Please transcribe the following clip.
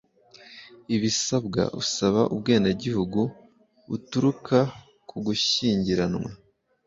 Ibisabwa usaba ubwenegihugu buturuka k'ugushyingiranwa